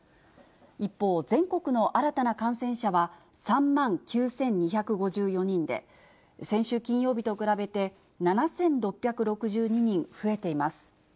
一方、全国の新たな感染者は３万９２５４人で、先週金曜日と比べて７６６２人増えています。